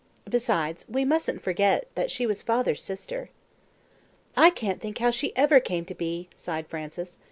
Besides, we mustn't forget that she was father's sister." "I can't think how she ever came to be," sighed Frances.